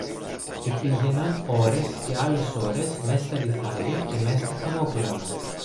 Και πήγαιναν ώρες και άλλες ώρες μες στα λιθάρια και μες τα χαμόκλαδα.